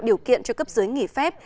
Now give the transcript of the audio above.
điều kiện cho cấp giới nghỉ phép